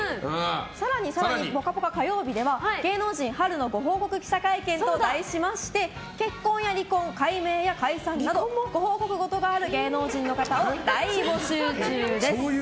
更に「ぽかぽか」火曜日では芸能人春のご報告記者会見と題しまして結婚や離婚、改名や解散などご報告事がある芸能人の方を大募集中です。